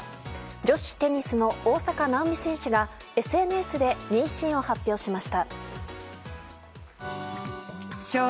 女子テニスの大坂なおみ選手がＳＮＳで妊娠を発表しました。